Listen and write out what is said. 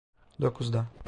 Dokuzda.